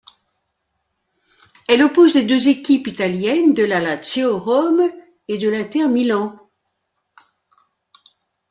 Elle oppose les deux équipes italiennes de la Lazio Rome et de l'Inter Milan.